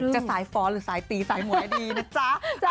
สายฟ้อนหรือสายตีสายหมวยดีนะจ๊ะ